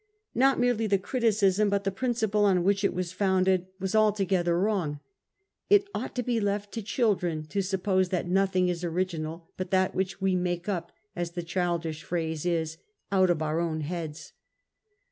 Not merely the criticism, but the prin ciple on which it was founded, was altogether wrong. It ought to be left to children to suppose that nothing is original but that which we make up, as the childish phrase is, * out of our own heads.